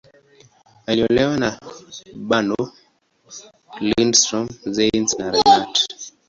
Aliolewa na Bernow, Lindström, Ziems, na Renat.